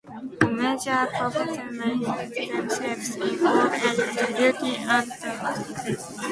For measure and proportion manifest themselves in all areas of beauty and virtue.